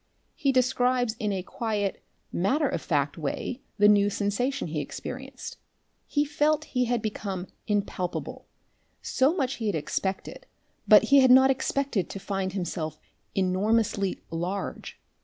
He describes in a quiet, matter of fact way the new sensation he experienced. He felt he had become impalpable so much he had expected, but he had not expected to find himself enormously large.